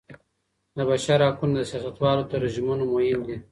د بشر حقونه د سياستوالو تر ژمنو مهم دي.